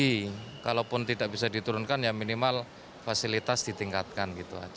jadi kalaupun tidak bisa diturunkan ya minimal fasilitas ditingkatkan